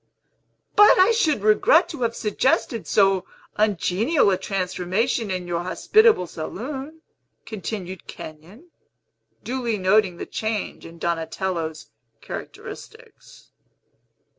"But I should regret to have suggested so ungenial a transformation in your hospitable saloon," continued Kenyon, duly noting the change in Donatello's characteristics.